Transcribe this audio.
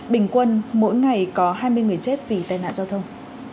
bình quân mỗi ngày có hai mươi người chết vì tai nạn giao thông